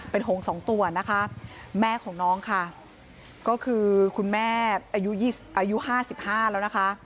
เป็นหงสองตัวนะคะแม่ของน้องค่ะก็คือคุณแม่อายุ๕๕แล้วนะคะ